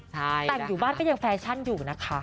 แต่งอยู่บ้านก็ยังแฟชั่นอยู่นะคะ